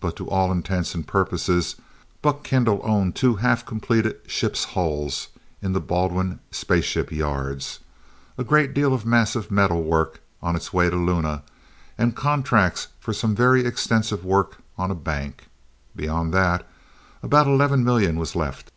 But to all intents and purposes, Buck Kendall owned two half completed ship's hulls in the Baldwin Spaceship Yards, a great deal of massive metal work on its way to Luna, and contracts for some very extensive work on a "bank." Beyond that, about eleven million was left.